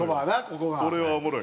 これはおもろい。